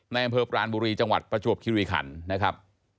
ในอำเภอปรานบุรีจังหวัดประจวบคิริขันนะครับ